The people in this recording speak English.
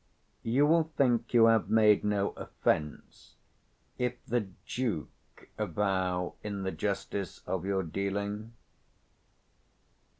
_ You will think you have made no offence, if the 175 Duke avouch the justice of your dealing?